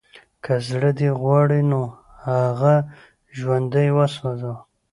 که زړه دې غواړي نو هغه ژوندی وسوځوه